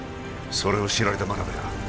それを知られた真鍋が